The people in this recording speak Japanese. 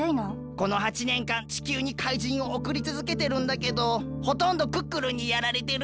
この８ねんかん地球に怪人をおくりつづけてるんだけどほとんどクックルンにやられてる。